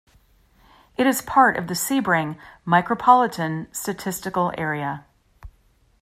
It is part of the Sebring Micropolitan Statistical Area.